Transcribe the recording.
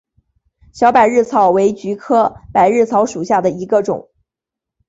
小百日草为菊科百日草属下的一个种。